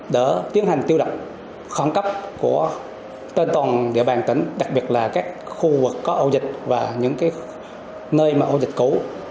để tiến hành tiêu đập khoảng cấp của tên toàn địa bàn tỉnh đặc biệt là các khu vực có ổ dịch và những nơi ổ dịch cũ